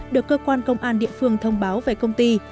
được cơ quan công an địa phương thông báo về công ty